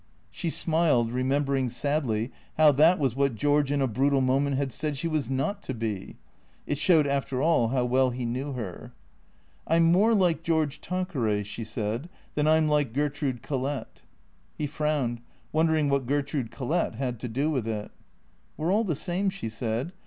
She smiled, remembering sadly how that was what George in a brutal moment had said she was not to be. It showed after all how well he knew her. " I 'm more like George Tanqueray," she said, " than I 'm like Gertrude Collett." He frowned, wondering what Gertrude Collett had to do with it. " We 're all the same," she said.